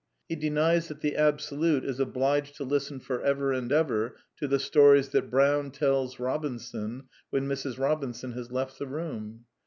He denies that the Absolute is obliged to listen for ever and ever to the stories that Brown tells Kobinson when Mrs. Robinson has left the room.